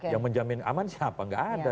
yang menjamin aman siapa nggak ada